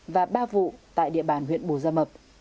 và ba vụ tại địa bàn huyện bù gia mập